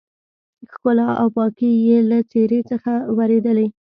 ښکلا او پاکي يې له څېرې څخه ورېدلې.